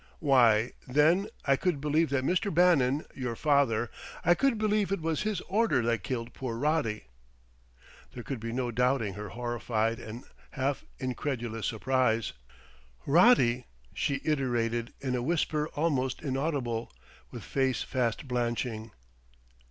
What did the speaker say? "Why, then, I could believe that Mr. Bannon, your father ... I could believe it was his order that killed poor Roddy!" There could be no doubting her horrified and half incredulous surprise. "Roddy?" she iterated in a whisper almost inaudible, with face fast blanching.